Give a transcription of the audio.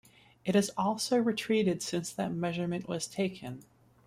It has also retreated since that measurement was taken.